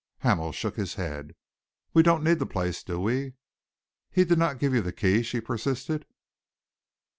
Hamel shook his head. "We don't need the place, do we?" "He did not give you the key?" she persisted.